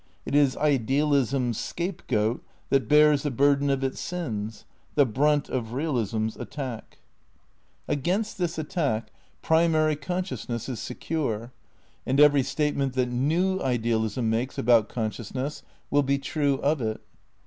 It is idealism's scapegoat that bears the burden of its sins, the brunt of realism's attack. 294 THE NEW IDEALISM x Against this attack primary consciousness is secure, and every statement that new idealism makes about consciousness will be true of it.